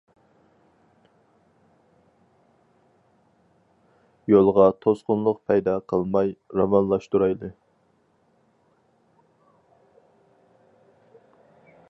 يولغا توسقۇنلۇق پەيدا قىلماي، راۋانلاشتۇرايلى.